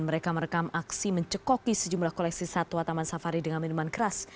mereka merekam aksi mencekoki sejumlah koleksi satwa taman safari dengan minuman keras